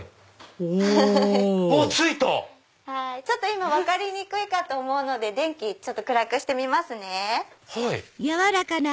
今分かりにくいかと思うので電気ちょっと暗くしてみますね。